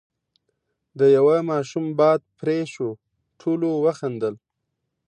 ، د يوه ماشوم باد پرې شو، ټولو وخندل،